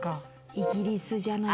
イギリスじゃない？